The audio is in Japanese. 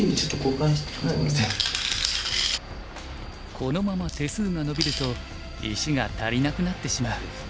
このまま手数がのびると石が足りなくなってしまう。